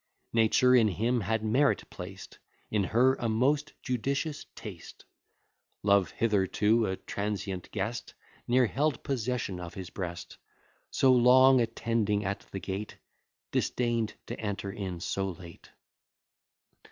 Nature in him had merit placed, In her a most judicious taste. Love, hitherto a transient guest, Ne'er held possession of his breast; So long attending at the gate, Disdain'd to enter in so late.